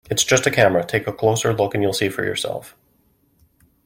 It's just a camera, take a closer look and you'll see for yourself.